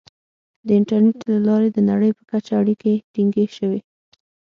• د انټرنیټ له لارې د نړۍ په کچه اړیکې ټینګې شوې.